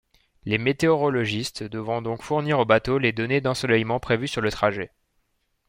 Les météorologistes devront donc fournir au bateau les données d'ensoleillement prévues sur le trajet.